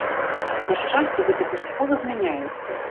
На шчасце, гэта паступова змяняецца.